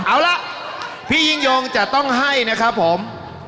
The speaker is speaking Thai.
เอาล่ะพี่ยิ่งยงจะต้องให้นะครับผม